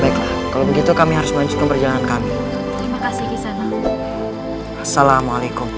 baiklah kalau begitu kami harus lanjutkan perjalanan kami terima kasih kisana assalamualaikum